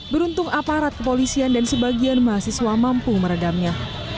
beruntung aparat kepolisian dan sebagian mahasiswa mampu meredamnya